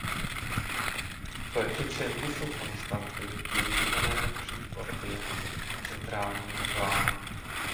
Koeficienty jsou konstanty využívané při tvorbě centrálního plánu.